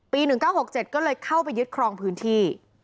๑๙๖๗ก็เลยเข้าไปยึดครองพื้นที่